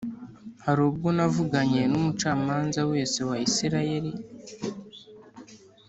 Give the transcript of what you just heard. hari ubwo navuganye n’umucamanza wese wa Isirayeli